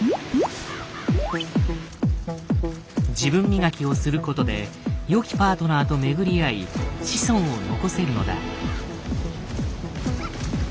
自分磨きをすることでよきパートナーと巡り合い子孫を残せるのだ。